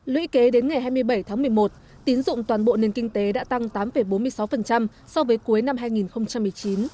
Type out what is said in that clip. lũy kế đến ngày hai mươi bảy tháng một mươi một tín dụng toàn bộ nền kinh tế đã tăng tám bốn mươi sáu so với cuối năm hai nghìn một mươi chín